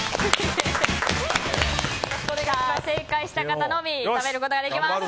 正解した方のみ食べることができます。